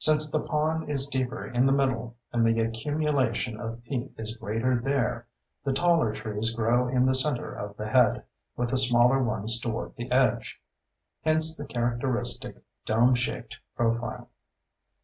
Since the pond is deeper in the middle, and the accumulation of peat is greater there, the taller trees grow in the center of the head, with the smaller ones toward the edge. Hence the characteristic dome shaped profile.